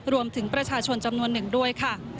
รวมถึงประชาชนจำนวนหนึ่งด้วยค่ะ